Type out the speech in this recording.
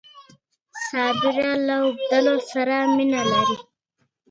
ژمی د افغان ښځو په ژوند کې رول لري.